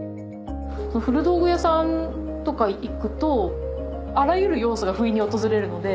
古道具屋さんとか行くとあらゆる要素が不意に訪れるので。